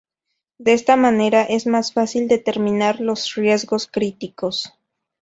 De esta manera es más fácil determinar los riesgos críticos.